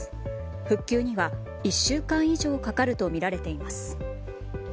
復旧には１週間以上かかるとみられています。